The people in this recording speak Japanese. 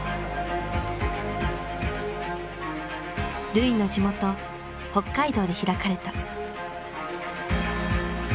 瑠唯の地元北海道で開かれた。